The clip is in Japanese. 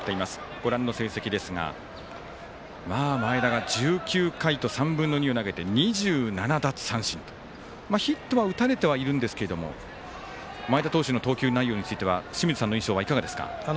ご覧の成績ですが、前田が１９回と３分の２を投げて２７奪三振とヒットは打たれてはいるんですが前田投手の投球内容については清水さんの印象はいかがですか？